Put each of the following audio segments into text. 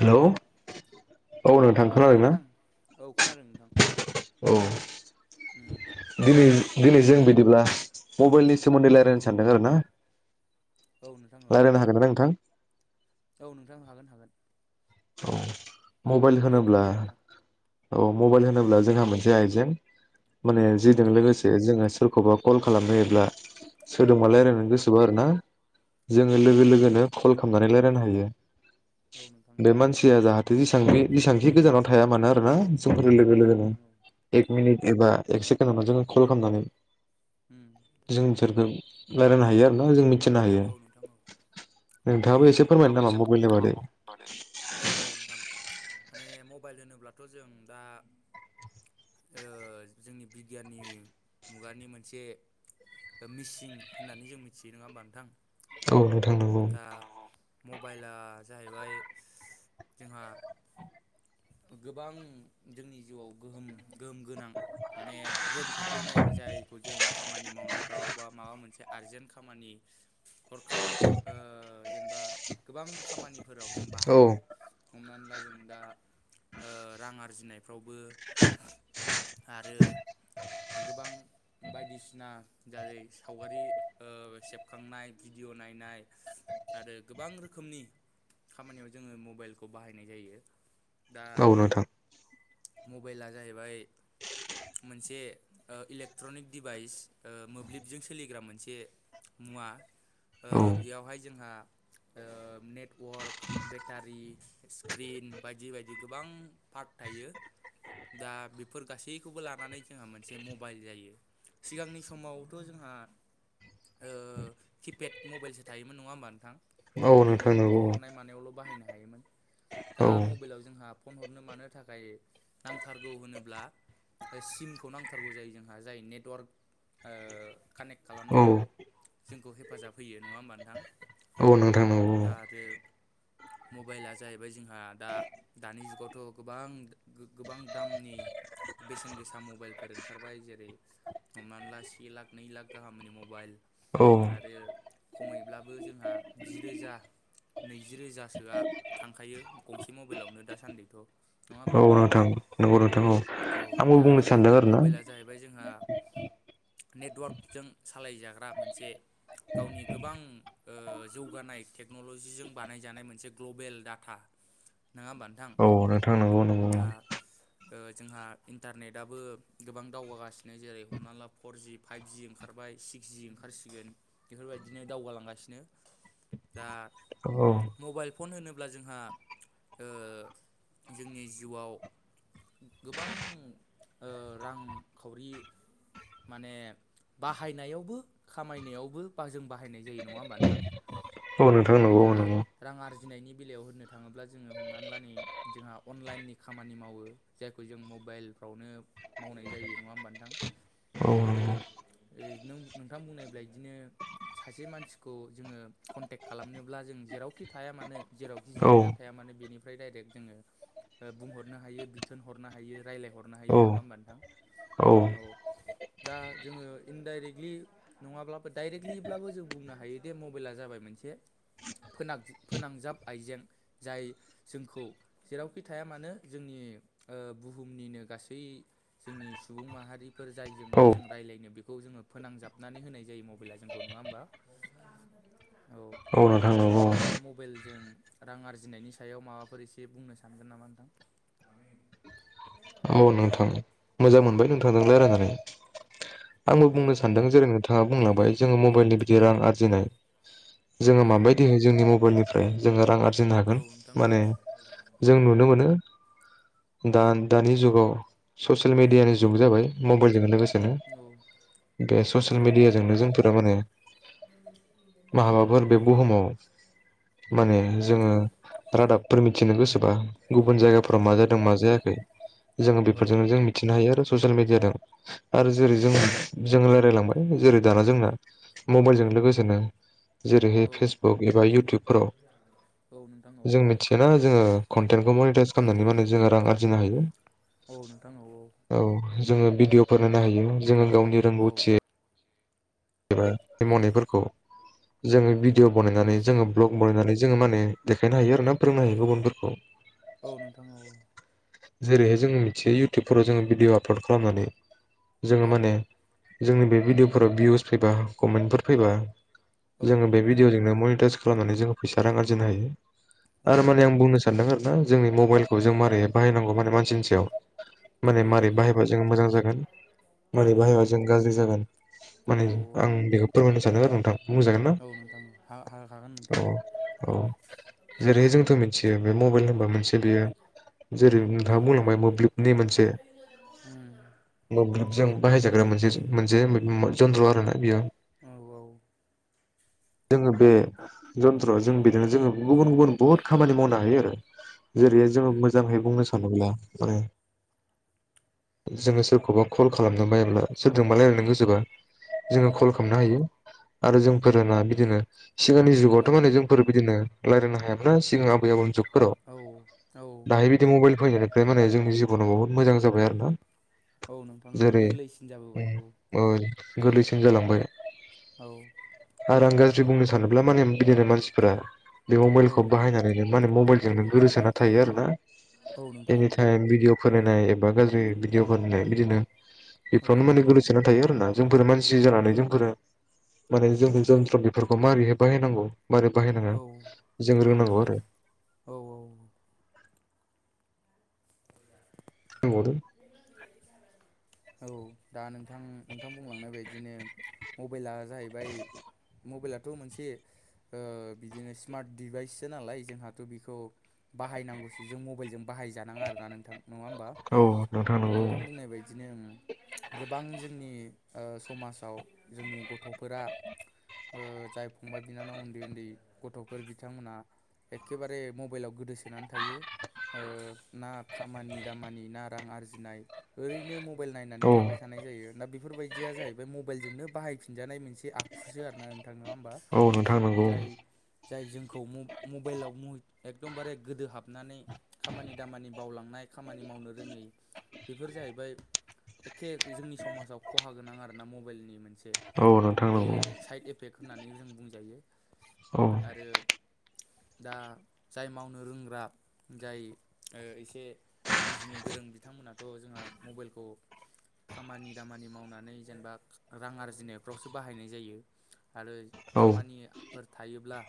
Hello. औ नोंथां औ खोनदोंना नोंथां औ खोनादों नोंथां औ उम [unintelligible] दिनै जों बिदिब्ला मबाइलनि सोमोन्दै औ रायजलायनो सानदों आरो ना। औ नोंथां औ लायरायनो हागोन ना नोंथां? औ नोंथां हागोन-हागोन। [unintelligible] मबाइल होनोब्ला नोंथां औ मबाइल होनोब्ला जोंहा मोनसे आइजें माने औ जेजों लोगोसे जोङो सोरखौबा कल खालामबायोब्ला सोरदोंबा औ रायजलायनो गोसोबा आरोना औ जोङो लोगो लोगोनो कल खालामनानै रायजलायनो हायो। औ नोथां। बे मानसिया जाहाथे जेसांखि-जेसांखि गोजानाव थाया मानो आरो ना लोगो औ लोगोनो नोंथां औ एक औ मिनिट एबा एक सेकेड जोङो कल खालामनानै उम जों बिसोरखौ रायजलायनो हायो आरो ना जों मिथिनो हायो। औ नोंथां औ नोंथाङाबो एसे फोरमायनो नोंथाङाबो नामा एसे मबाइलनि फोरमायदो बादै। नामा मबाइलनि बादै औ औ नोंथां माने मबाइल होनोब्लाथ जों दा ओ-जोंनि बिगियाननि मुगानि मोनसे। दा मिसिं होननानै जों मिथियो नङा होमबा नोंथां। औ नोंथां नोंगौ। मबाइलआ जाहैबाय जोंहा। [inaudible] गोबां जोंनि जिउआव गोहोम गोहोम गोनां माने गोहोम खोख्लैनाय जाय। जों खामानि मावनायफ्राव बा माबा मोनसे आरजेन्ट खामानि हरखाब। ओ-जेनेबा गोबां खामानिफोराव जों बाहायो औ हमनानै ला जों दा ओ-रां आरजिनायफ्रावबो आरो गोबां बायदिसिना जारै सावगारि ओ-सेबखांनाय भिडिअ नाय नाय आरो गोबां रोखोमनि खामानियाव जोङो मबाइलखौ बाहायनाय जायो दा नोंथां मबाइला जाहैबाय। मोनसे ओ-इलेक्ट्रनिक डिभाइस ओ-मोब्लिबजों सोलिग्रा मोनसे मुवा औ ओ-बेयावहाय जोंहा। ओ नेटवार्क बेटारि स्क्रिन बायदि बायदि गोबां पार्क। थायो दा बेफोर गासैखौबो लानानै जोंहा मोनसे मबाइल जायो। सिगांनि समावथ जोंहा ओ किपेड। मबाइलसो थायोमोन नङा होमबा नोंथां औ जायखौ जोङो नोंथां फन नंगौ हरनाय मानायावल बाहायनो हायोमोन। औ दा मबेलाव जोंहा फन हरनो मानो थाखाय नांथारगौ होनोब्ला। सिमखौ नांथारगौ जायो जोंहा जाय नेटवार्क। ओ-कानेक्ट औ खालामनायाव जोंखौ हेफाजाब होयो नङा होमबा नोंथां। औ नोंथां नंगौ दा आरो मबाइला जाहैबाय जोंहा दा दानि जुगावथ गोबां गो गोबां दामनि। बेसेन गोसा मबाइलफोर ओंखारबाय जेरै। हमनाला से लाख नै लाख गाहामनि मबाइल औ आरो। खमैब्लाबो जोंहा जि रोजा। नैजि रोजासोआ थांखायो गंसे मबेलावनो दासान्दिथ नङा होमबा नोंथां। नोंगौ नोंथां औ आंबो बुंनो सानदों आरो ना। बे जोंहा नेटवार्कजों सालाय जाग्रा मोनसे। गावनि गोबां ओ जौगानाय टेक्नलजिजों बानायजानाय मोनसे ग्लबेल डाटा। नङा होमबा नोंथां औ नोंथां नंगौ नंगौ दा? ओ जोंहा इन्टारनेटआबो गोबां दावगागासिनो जेरै हमना ला फरजि फाइभजि ओं खारबाय सिक्स जि ओंखारसिगोन बेफोर बायदिनो दावगालांगासिनो दा औ मबाइल फन होनोब्ला जोंहा ओ जोंनि जिउआव गोबां ओ रां खावरि माने बाहायनायावबो खामायनायावबो बा जों बाहायनाय जायो नङा होमबा नोंथां? औ नोंथां नंगौ दा औ नंगौ रां आरजिनायनि बेलायाव होननो थाङोब्ला जोङो हमनानै लानो नै जोंहा अनलाइननि खामा नि मावो जायखौ जों मबाइलफ्रावनो मावनाय जायो नङा होमबा नोंथां? औ नोंगौ ओ नों नोंथां बुंनाय ब्लायदिनो सासे मानसिखौ जोङो कन्टेक खालामनोब्ला जों जेरावखि थाया मानो जेरावखि औ जिरायना थाया मानो बेनिफ्राय डाइरेक्ट जोङो ओ बुंहरनो हायो बिथोन हरनो हायो रायलायहरनो औ हायो नङा होमबा नोंथां? औ दा जोङो इनडाइरेक्टलि नङाब्लाबो डाइरेक्टलिब्लाबो जों बुंनो हायोदि मबेला जाबाय मोनसे लांदां फोनां फोनांजाब आइजें जाय जोंखौ जेरावखि थाया मानो जोंनि ओ बुहुमनिनो गासै जोंनि सुबुं माहारिफोर जायजों जों रायज्लायनो बेखौ जोंङो फोनांजाबनानै होनाय जायो मबाइला जोंखौ। नङा होमबा? औ [unintelligible] दा नंगौ नोंथाङा मबाइलजों रां आरजिनायनि सायाव माबाफोर एसे बुंनो सानगोन नामा नोंथां? औ नोंथां मोजां मोनबाय नोंथांजोंलाय लायरायनानै। आंबो औ बुंनो सानदों जेरै नोंथाङा बुंलांबाय जोंङो मबाइलनि बिदि रां आरजिनाय। जोंङो औ माबायदि हाय जोंनि मबाइलनिफ्राय जोंङो रां आरजि जों औ हागोन नोंथां औ माने जों नुनो मोनो दा दानि जुगाव ससियेल मेडियानि औ जुग जाबाय मबाइलजों लोगोसेनो। औ बे ससियेल औ नोंथां मेडियाजोंनो औ जोंफोरा माने माहाबाफोर बे बुहुमाव औ माने जोंङो रादाब फोर मिथिनो गोसोबा गुबुन औ जायगाफोराव मा नोंथां जादों मा जायाखै जोंङो बेफोर औ जों मिथिनो हायो आरो ससियेल मिडियाजों आरो जेरै जों जों रायलायलांबाय जेरै दाना जोंना मबाइलजों लोगोसेनो जेरैहाय औ फेसबुक एबा इउटुबफोराव नोंथां औ जों मिथिया ना जोंङो कन्टेन्टखौ मनिटाइस खालामनानै माने जोंङो रां आरजिनो हायो। औ नोंथां औ औ। जोङो भिडिअफोर होनो हायो जोंङो गावनि औ रोंगौथि एबा मावनायफोरखौ जोंङो भिडिअ औ बनायनानै जोंङो भ्लग बनायनानै जोंङो माने देखायनो हायो आरो ना फोरोंनो हायो गुबुनफोरखौ। औ नोंथां औ। जेरैहाय जों मिथियो इउटुबफोराव जोंङो भिडिअ आपलड खालामनानै जोंङो औ माने जोंनि बे भिडिअफोराव भिउस फैबा कमेन्टफोर फैबा औ जोंङो बे नोंथां भिडिअजोंनो मनिटाइस खालामनानै जोंङो फैसा रां आरजिनो हायो औ आरो माने आं बुंनो सानदों आर ना जोंनि मबाइलखौ जों मारैहाय बाहायनांगौ माने मानसिनि सायाव माने औ मारै नोंथां औ बाहायबा जों मोजां जागोन औ मारै बाहायबा जों गाज्रि जागोन। माने औ आं बेखौ फोरमायनो सानो आरो नोंथां। बुंजागोन ना औ नोंथां हा औ औ। जेरैहाय जोंथ‌ मिथियो बे मबाइल होनबा मोनसे बेयो जेरै नोंथाङा बुंलांबाय मोब्लिबनि मोनसे उम मोब्लिबजों बाहायजाग्रा मोनसे मोनसे मोन जन्त्र आरो ना बेयो। औ औ। [inaudible] जोंङो बे जन्थ्र जों बिदिनो जोंङो गुबुन गुबुन बुहुद खामानि मावनो हायो आरो। जेरैहाय जोंङो उम मोजांहाय बुंनो सानोब्ला माने जोंङो सोरखौबा कल खालामनो बायोब्ला सोरजोंबा लायरायनो गोसोबा जोंङो औ कल खालामनो हायो आरो जोंफोरोना बिदिनो सिगांनि जुगावथ' औ माने जोंफोर बिदिनो रायल्लायनो हायामोनना। सिगां आबै आबौनि जुग फोराव औ औ दाहाय बिदि मबाइल फैनायनिफ्राय माने जोंनि जिबनाव बुहुत मोजां जाबाय आरो ना। औ नोंथां औ जेरै गोरलैसिन जाबोबाय औ। ओ गोरलैसिन जालांबाय। औ। आरो आं गाज्रि बुंनो सानोब्ला माने गिदिरनो मानसिफोरा बे औ मबाइलखौ बाहायनानैनो माने मबाइलजों नों गोरोसोना थायो आरो ना। औ नोंथां औ एनिटाइम भिडिअ फरायनाय एबा गाज्रि भिदिअ' फरायनाय बिदिनो। औ बेफ्रावनो माने गोलैसोना थायो आरोना। जोंफोर मानसि जानानै जोंफोरो माने जोंफोर जन्थ्र बेफोरखौ माबोरैहाय बाहायनांगौ मारै बाहायनाङा जों औ रोंनांगौ आरो। औ [unintelligible] औ दा नोंथां नोंथां बुंलांनाय बायदिनो मबाइला जाहैबाय मबाइलाथ' मोनसे बिदिनो स्मार्ट डिभाइससो नालाय जोंहाथ' बिखौ बाहायनांगौसो जों मबाइलजों बाहायजानाङा आरोना नोंथां नङा होमबा औ नंगौ नोंथां बुंनाय बायदिनो गोबां जोंनि ओ समाजाव जोंनि गथ'फोरा ओ जाय फंबाय बिनानाव उन्दै उन्दै गथ'फोर बिथांमोना एखेबारे मबाइलाव गोदोसोनानै थायो। ओ ना खामानि दामानि ना रां आरजि नाय ओैनो मबाइल औ नायनानैाय थानाय जायो ना बेफोरबायदिया जाहैबाय मबाइलजोंनो बाहायफिनजानाय मोनसे आखुजो आरो ना थां नङा होबा औ नोंथां नंगौ जाय जाय जोंखौ मबाइलाव एकदमबारे गोदो हाबनानै खामानि दामानि बावलाङो नाय खानि मावनो रोङै बेफोर जाहैबाय एखे जोंनि समाजाव खहा गोनां आरो ना मबाइलनि मोनसे औ नोंथां बियो नंगौ साइड इफेक्ट होननानै जों बुंजायो औ आरो दा जाय मावनो रोंग्रा जाय एसे बुजिनो गोरों बिथांमोनाथ' जोंहा मबाइलखौ खामानि दामानि मावनानै जेनेबा रां आरजिनायफ्रावसो बाहायनाय जायो। आरो औ खामानिफोर थायोब्ला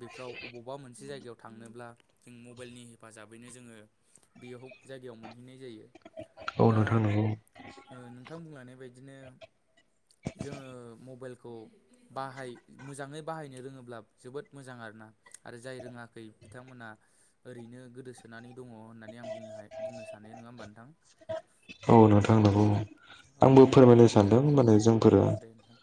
बेफोराव अबावबा मोनसे जायगायाव थांनोब्ला जों मबाइलनि हेफाजाबैनो जोङो बेयाव जायगायाव मोनो हैनाय जायो औ दा नोंथां नंगौ नोंथां बुंलनाय बायदिनो जोङो मबाइलखौ बाहाय मोजाङै बाहायनो रोङोब्ला जोबोद मोजां आरो ना आरो जाय रोङाखै बिथांमोना ओरैनो गोदोसोनानै दङ होननानै आं बुंनो हा बुंनो सानो नङा होमबा नोंथां। औ नोंथांनांगौ औ आंबो फोरमायनो दा सानदों माने जोंफोरो औ दे नोंथां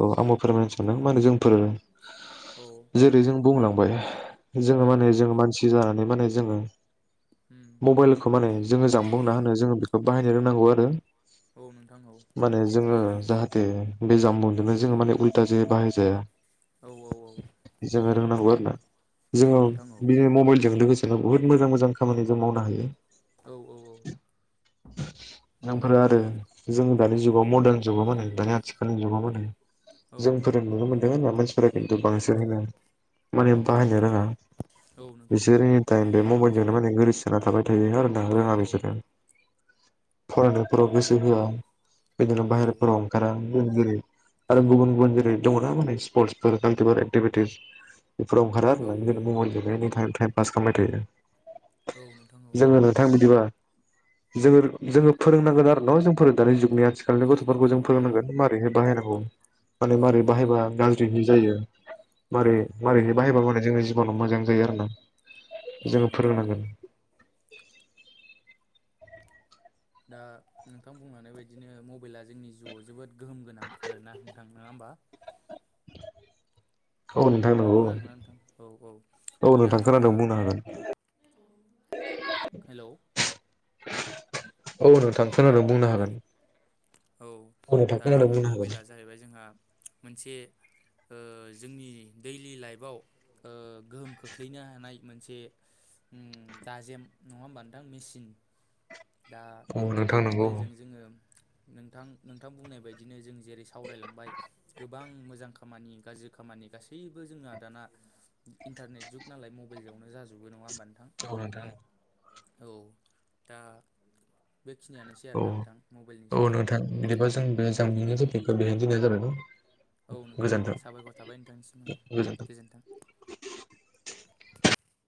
ओ आंबो फोरमायनो सानदों माने जों फोरो औ जेरै जों बुंलांबाय जोङो औ माने जों मानसि जानानै माने जोङो उम मबाइलखौ माने जोङो जामबुंना होनो जोङो बेखौ बाहायनो रोंनांगौ आरो औ नोंथां औ। माने जोङो जाहाथे बे जाम्बुंजोंनो जोङो माने उल्थााजे बाहायजाया औ औ जोङो रोंनांगौ आरो ना औ जोङो नोंथां औ बि मबाइलजोंनो लोगोसेनो बुहुत मोजां मोजां खामानि जों मावनो हायो। औ औ औ। नामफोर आरो जों दानि जुगाव मदार्न जुगाव माने दानि आथिखालनि जुगाव माने औ जोंफोर नुनो मोनदों होना मानसिफोरा खिन्थु बांसिन होनो। माने औ बाहायनो रोङा नोंथां औ बिसोरो एनिटाइम बे मबाइलजोंनो माने गोरैसोना थाबाय थायोआरोना औ रोङा बिसोरो फरायनायफोराव गोसो होआ बिदिनो औ बाहेरफोराव ओंखारा। गेम गेलेयो आरो गुबुन गुबुन जेरै दङना माने स्पर्टसफोर एक्टिभिटिस। बेफोराव ओंखारा औ आरोना औ बिदिनो मबाइलजोंनो एनायनिम टाइम पास खालामबाय थायो। औ नोंथां औ जोङो नोंथां बिदिबा जोङो जोङो फोरोंनांगोन आरो न' जों फोरों दानि जुगनि आथिखालनि औ गथ'फोरखौ नोंथां जों औ औ फोरोंनांगोन मारोरैहाय बाहायनांगोन माने औ मारै औ बाहायबा गाज्रि जायो औ मारै मारैहै बाहायबा माने जोङो [unintelligible] मोजां जायो आरोना औ जोङो नोंथां औ फोरोंनांगोन। दा नोंथां बुंलांनाय बायदिनो मबाइला जोंनि जिउआव जोबोद गोहोम गोनां आरोना नोंथां नङा बा [inaudible] औ नोंथां हेल' नंगौ खोनादोंना नोंथां औ औ औ औ दा नोथां जोंहा खोनादों बुंनो हागोन। हेल' औ नोंथां खोनादोंं खोनादोंना बुंनो नोंथां हागोन। औ नोंथां दा खोनादों जोंहा बुंनो हागोन मबाइला जाहैबाय जोंहा मोनसे [inaudible] ओ जोंनि दैलि लाइफआव ओ गोहोम खोख्लैनो हानाय मोनसे दाजेम नङा होमबा नोंथां मेचिन दा औ बे नोंथां नंगौ मबाइलजों जोङो नोंथां नोंथां बुंनाय बायदिनो जों जेरै सावरायलांबाय गोबां मोजां खामानि गाज्रि खामानि मानानि गासैबो जोंहा दाना इन्टारनेट जुग नालाय मबाइलजोंनो जाजोबो नङा होनबा औ नोंथां। औ दा बेखिनियानोसै औ आरोना नोंथां मबाइलनि औ सायाव नोंथां बिदिबा जों बे औ जानबुंनि टपिख खौ बेहायनो दोननाय जाबाय औ नोंथां दे गोजोन्थों साबायखर थाबाय नोंथांनिसिम गोजोन्थों। [inaudible]